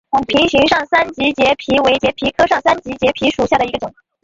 瓶形上三脊节蜱为节蜱科上三脊节蜱属下的一个种。